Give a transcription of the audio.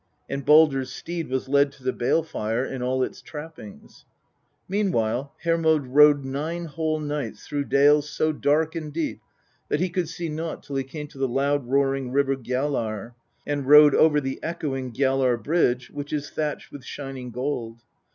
And Baldr's steed was led to the bale tire in all its trappings. Meanwhile Hermpd rode nine whole nights through dales so dark and deep that he could see nought till he came to the loud roaring river Gjallar, and rode over the echoing Gjallar bridge, which is thatched with shining gold.